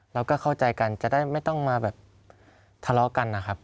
เราก็เข้าใจกันจะได้ไม่ต้องมาแบบทะเลาะกันนะครับ